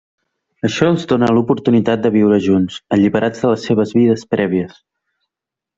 Això els dóna l'oportunitat de viure junts, alliberats de les seves vides prèvies.